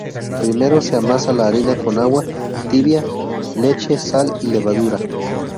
Primero se amasa la harina con agua tibia, leche, sal y levadura.